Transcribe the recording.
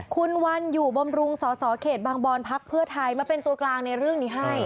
คุณวันอยู่บำรุงสสเขตบางบอนพักเพื่อไทยมาเป็นตัวกลางในเรื่องนี้ให้